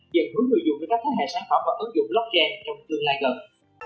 dạng hướng người dùng với các thế hệ sản phẩm và ứng dụng blockchain trong tương lai gần